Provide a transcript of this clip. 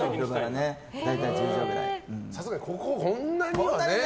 さすがにこんなにはね。